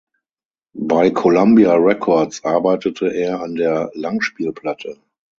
Bei Columbia Records arbeitete er an der Langspielplatte.